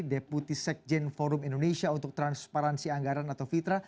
deputi sekjen forum indonesia untuk transparansi anggaran atau fitra